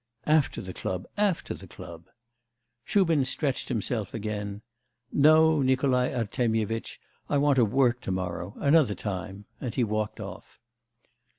'After the club... after the club.' Shubin stretched himself again. 'No, Nikolai Artemyevitch, I want to work to morrow. Another time.' And he walked off.